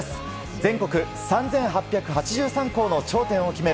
全国３８８３校の頂点を決める